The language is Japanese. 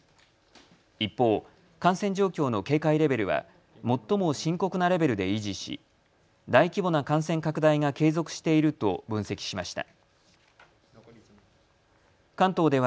一方、感染状況の警戒レベルは最も深刻なレベルで維持し大規模な感染拡大が継続していると分析しました。